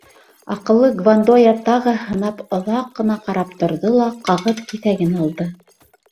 Аҡыллы Гвандоя тағы һынап оҙаҡ ҡына ҡарап торҙо ла ҡағыҙ киҫәген алды.